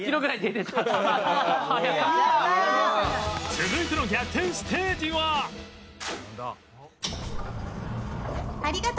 続いての逆転ステージはなんだ？